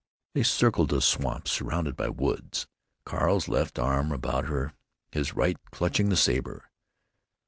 They circled a swamp surrounded by woods, Carl's left arm about her, his right clutching the saber.